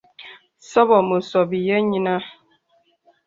Sɔbɔ̄ mə sɔ̄ bìyɛ yìnə̀.